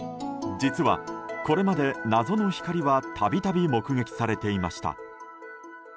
実は、これまで謎の光は度々目撃されていました。